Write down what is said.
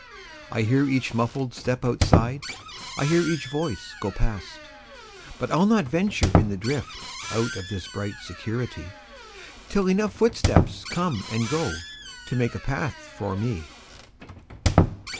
I hear each muffled step outside,I hear each voice go past. But I'll not venture in the driftOut of this bright security, Till enough footsteps come and goTo make a path for me.